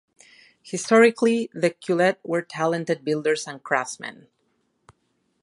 Historically the Quileute were talented builders and craftsmen.